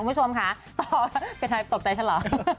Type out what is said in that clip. คุณผู้ชมค่ะเป็นไทยตกใจฉันเหรอ